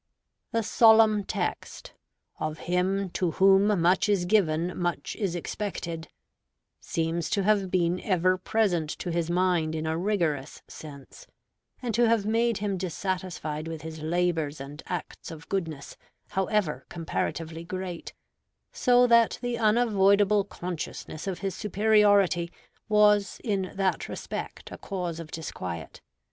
The solemn text, "Of him to whom much is given, much is expected," seems to have been ever present to his mind in a rigorous sense, and to have made him dissatisfied with his labors and acts of goodness, however comparatively great; so that the unavoidable consciousness of his superiority was in that respect a cause of disquiet.